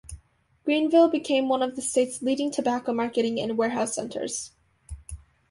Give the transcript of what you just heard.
Greenville became one of the state's leading tobacco marketing and warehouse centers.